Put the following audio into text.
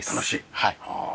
はい。